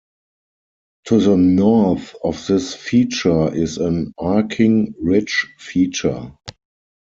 To the north of this feature is an arcing ridge feature.